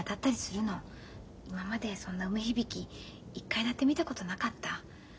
今までそんな梅響一回だって見たことなかった。